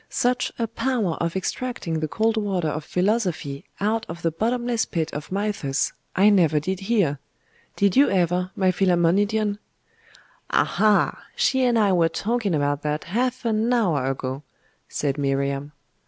'Such a power of extracting the cold water of philosophy out of the bottomless pit of Mythus, I never did hear. Did you ever, my Philammonidion?' 'Aha! she and I were talking about that half an hour ago,' said Miriam.